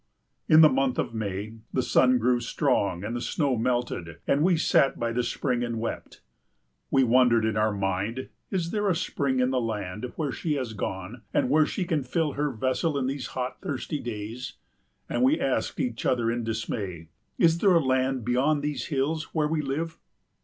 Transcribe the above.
In the month of May the sun grew strong and the snow melted, and we sat by the spring and wept. We wondered in our mind, "Is there a spring in the land where she has gone and where she can fill her vessel in these hot thirsty days?" And we asked each other in dismay, "Is there a land beyond these hills where we live?"